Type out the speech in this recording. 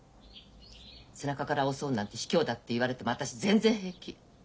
背中から襲うなんてひきょうだって言われても私全然平気。